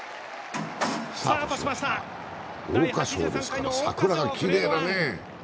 桜花賞ですから桜がきれいだね。